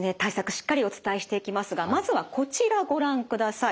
しっかりお伝えしていきますがまずはこちらご覧ください。